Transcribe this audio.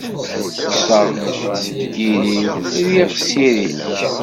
Kkseɣ seg iri-w, rriɣ s iri-k.